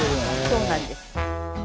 そうなんです。